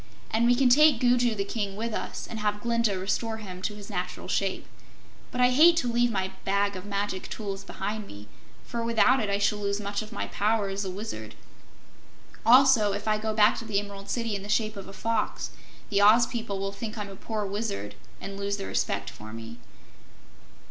"And we can take Gugu the King with us, and have Glinda restore him to his natural shape. But I hate to leave my Bag of Magic Tools behind me, for without it I shall lose much of my power as a Wizard. Also, if I go back to the Emerald City in the shape of a Fox, the Oz people will think I'm a poor Wizard and will lose their respect for me."